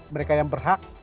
mereka yang berhak